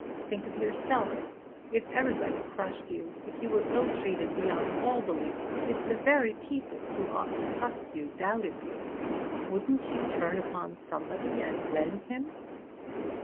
Think of yourself. If everybody crushed you; if you were ill treated beyond all belief; if the very people who ought to trust you doubted you, wouldn't you turn upon somebody and rend him?"